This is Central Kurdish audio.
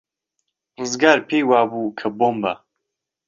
ڕزگار پێی وابوو کە بۆمبە.